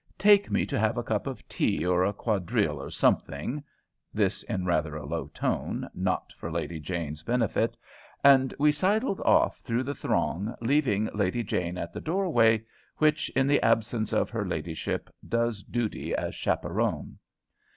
Take me to have a cup of tea, or a quadrille, or something" this in rather a low tone, not for Lady Jane's benefit; and we sidled off through the throng, leaving Lady Jane at the doorway, which, in the absence of her ladyship, does duty as chaperon.